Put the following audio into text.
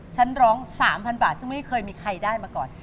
ฉันร้อง๓๐๐บาทซึ่งไม่เคยมีใครได้มาก่อน